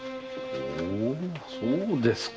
ほうそうですか。